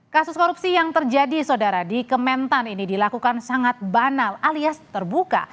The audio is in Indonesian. kasus korupsi yang terjadi saudara di kementan ini dilakukan sangat banal alias terbuka